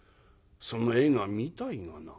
その絵が見たいがな」。